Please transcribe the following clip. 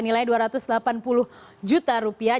nilai dua ratus delapan puluh juta rupiah